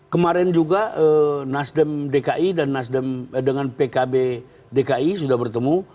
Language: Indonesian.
kemarin juga nasdem dki dan pkb dki sudah bertemu